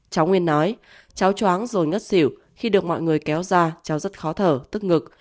cháu nguyên nói cháu choáng rồi ngất xỉu khi được mọi người kéo ra cháu rất khó thở tức ngực